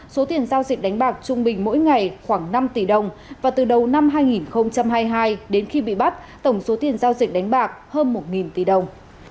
số tiền giao dịch đánh bạc trung bình mỗi ngày khoảng năm tỷ đồng và từ đầu năm hai nghìn hai mươi hai đến khi bị bắt tổng số tiền giao dịch đánh bạc hơn một tỷ đồng